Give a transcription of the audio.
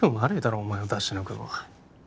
お前を出し抜くのは